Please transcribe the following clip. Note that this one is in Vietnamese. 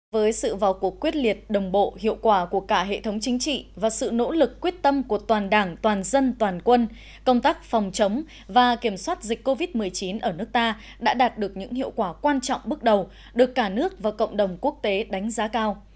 với sự vào cuộc quyết liệt đồng bộ hiệu quả của cả hệ thống chính trị và sự nỗ lực quyết tâm của toàn đảng toàn dân toàn quân công tác phòng chống và kiểm soát dịch covid một mươi chín ở nước ta đã đạt được những hiệu quả quan trọng bước đầu được cả nước và cộng đồng quốc tế đánh giá cao